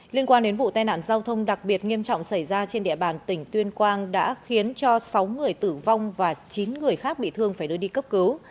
liên quan đến vụ tai nạn giao thông đặc biệt nghiêm trọng xảy ra trên địa bàn tỉnh tuyên quang đã khiến cho sáu người tử vong và chín người khác bị thương phải đưa đi cấp cứu